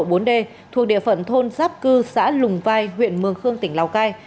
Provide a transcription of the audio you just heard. khu vực đường quốc lộ bốn d thuộc địa phận thôn giáp cư xã lùng vai huyện mường khương tỉnh lào cai